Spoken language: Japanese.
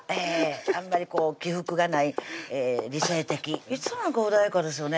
あんまり起伏がない理性的いつも穏やかですよね